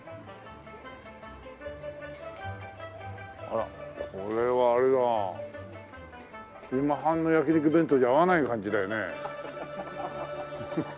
あらこれはあれだな今半の焼き肉弁当じゃ合わない感じだよね。